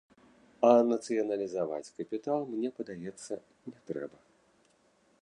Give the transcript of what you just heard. А нацыяналізаваць капітал, мне падаецца, не трэба.